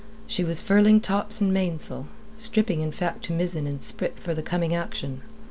She was furling tops and mainsail, stripping in fact to mizzen and sprit for the coming action.